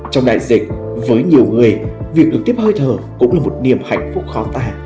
trong đại dịch với nhiều người việc được tiếp hơi thở cũng là một niềm hạnh phúc khó tài